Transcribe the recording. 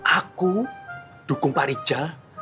aku dukung pak rijal